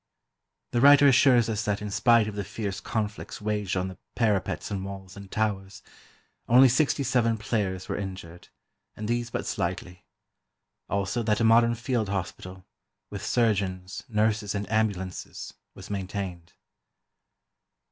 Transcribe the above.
The writer assures us that in spite of the fierce conflicts waged on the parapets and walls and towers, only sixty seven players were injured, and these but slightly; also that a modern field hospital, with surgeons, nurses and ambulances, was maintained.